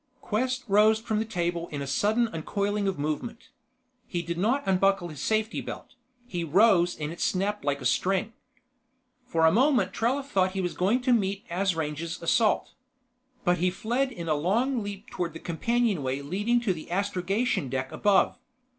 Quest rose from the table in a sudden uncoiling of movement. He did not unbuckle his safety belt he rose and it snapped like a string. For a moment Trella thought he was going to meet Asrange's assault. But he fled in a long leap toward the companionway leading to the astrogation deck above.